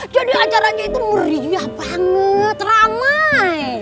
jadi acaranya itu meriah banget ramai